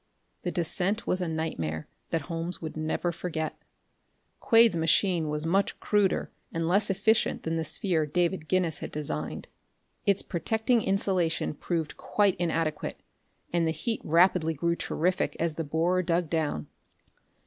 The descent was a nightmare that Holmes would never forget. Quade's machine was much cruder and less efficient than the sphere David Guinness had designed. Its protecting insulation proved quite inadequate, and the heat rapidly grew terrific as the borer dug down.